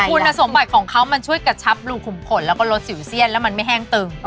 คุณสมบัติของเขามันช่วยกระชับรูขุมขนแล้วก็ลดสิวเซียนแล้วมันไม่แห้งตึง